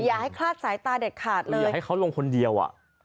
อย่าให้คลาดสายตาเด็ดขาดเลยอย่าให้เขาลงคนเดียวอ่ะ